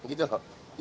itu kan harus dibikin